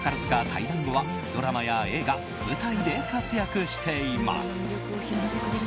退団後はドラマや映画舞台で活躍しています。